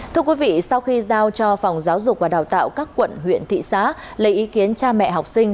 thưa quý vị sau khi giao cho phòng giáo dục và đào tạo các quận huyện thị xã lấy ý kiến cha mẹ học sinh